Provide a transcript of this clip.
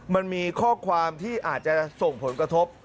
มันมีข้อความที่อาจจะส่งผลกระทบ